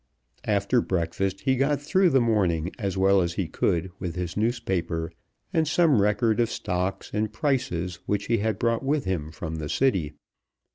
After breakfast he got through the morning as well as he could with his newspaper, and some record of stocks and prices which he had brought with him from the City.